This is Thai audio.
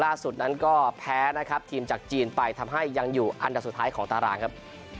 ล่าสุดนั้นก็แพ้นะครับทีมจากจีนไปทำให้ยังอยู่อันดับสุดท้ายของตารางครับ